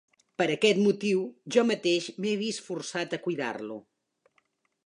Per aquest motiu, jo mateix m'he vist forçat a cuidar-lo.